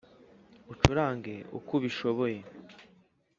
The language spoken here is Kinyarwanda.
Ucurange uko ubishoboye,